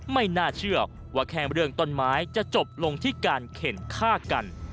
ไม่น่าเชื่อว่าแค่เรื่องต้นไม้จะจบลงที่การเข็นฆ่ากัน